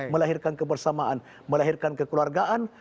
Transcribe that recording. melahirkan kebersamaan melahirkan kekeluargaan